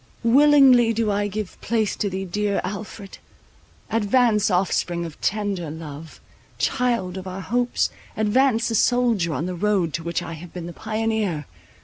Willingly do I give place to thee, dear Alfred! advance, offspring of tender love, child of our hopes; advance a soldier on the road to which I have been the pioneer!